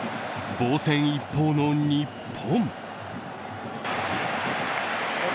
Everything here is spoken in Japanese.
防戦一方の日本。